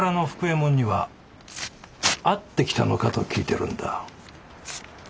右衛門には会ってきたのかと聞いてるんだ。